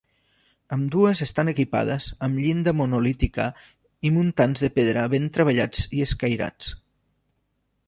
Ambdues estan equipades amb llinda monolítica i muntants de pedra ben treballats i escairats.